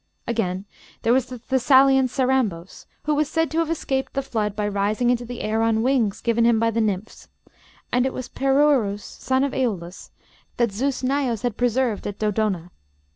Again, there was the Thessalian Cerambos, who was said to have escaped the flood by rising into the air on wings given him by the nymphs; and it was Perirrhoos, son of Eolus, that Zeus Naios had preserved at Dodona.